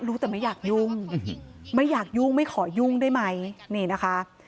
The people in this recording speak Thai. รู้แต่ไม่อยากยุ่งไม่อยากยุ่งไม่ขอยุ่งได้ไหมนี่นะคะ